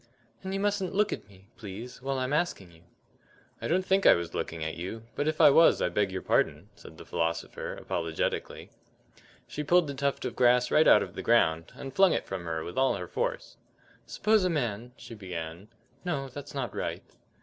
"And you mustn't look at me, please, while I'm asking you." "I don't think I was looking at you, but if I was I beg your pardon," said the philosopher, apologetically. She pulled the tuft of grass right out of the ground, and flung it from her with all her force. "Suppose a man " she began. "No, that's not right."